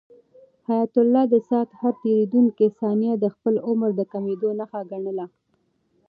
حیات الله د ساعت هر تېریدونکی ثانیه د خپل عمر د کمېدو نښه ګڼله.